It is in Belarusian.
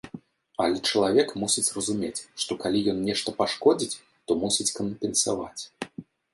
Але чалавек мусіць разумець, што калі ён нешта пашкодзіць, то мусіць кампенсаваць.